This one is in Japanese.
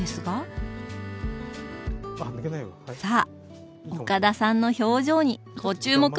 さあ岡田さんの表情にご注目！